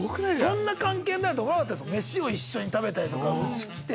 そんな関係になると思わなかった飯を一緒に食べたりうち来て。